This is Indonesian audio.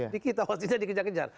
di kita maksudnya dikejar kejar